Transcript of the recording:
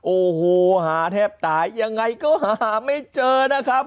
โอ้โหหาแทบตายยังไงก็หาไม่เจอนะครับ